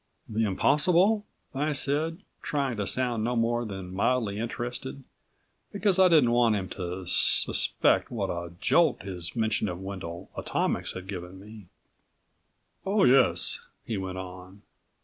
"The impossible?" I said, trying to sound no more than mildly interested, because I didn't want him to suspect what a jolt his mention of Wendel Atomics had given me. "Oh, yes," he went on.